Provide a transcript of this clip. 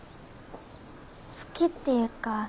好きっていうか